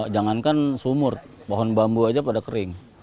jangankan sumur pohon bambu aja pada kering